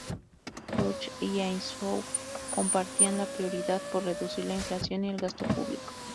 Dodge y Eisenhower compartían la prioridad por reducir la inflación y el gasto público.